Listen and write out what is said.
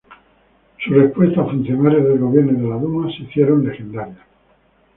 Su respuestas a funcionarios del gobierno y de la Duma se hicieron legendarios.